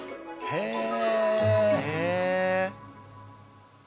へえ！